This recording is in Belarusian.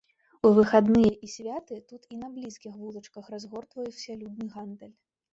У выхадныя і святы тут і на блізкіх вулачках разгортваўся людны гандаль.